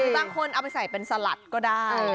บางคนเอาไปใส่เป็นสลัดก็ได้